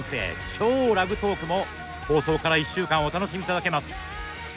超ラグトークも放送から１週間お楽しみいただけます。